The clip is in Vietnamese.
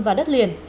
và đất liền